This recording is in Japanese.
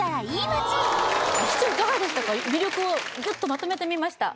街魅力をギュッとまとめてみました